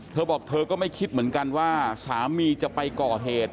เธอบอกเธอก็ไม่คิดเหมือนกันว่าสามีจะไปก่อเหตุ